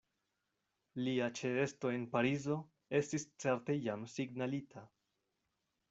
Lia ĉeesto en Parizo estis certe jam signalita.